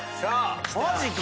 マジか！